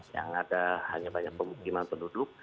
yang ada hanya banyak pemukiman penduduk